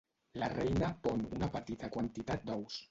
La reina pon una petita quantitat d'ous.